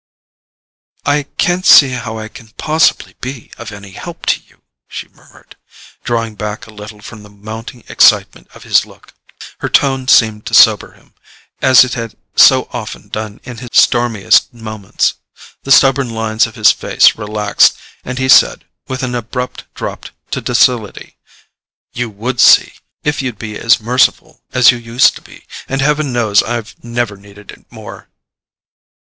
"I can't see how I can possibly be of any help to you," she murmured, drawing back a little from the mounting excitement of his look. Her tone seemed to sober him, as it had so often done in his stormiest moments. The stubborn lines of his face relaxed, and he said, with an abrupt drop to docility: "You WOULD see, if you'd be as merciful as you used to be: and heaven knows I've never needed it more!"